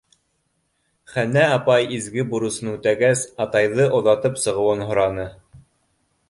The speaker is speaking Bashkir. Хәнә апай изге бурысын үтәгәс, атайҙы оҙатып сығыуын һораны.